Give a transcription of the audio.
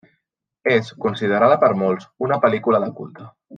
És considerada per molts una pel·lícula de culte.